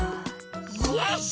よし！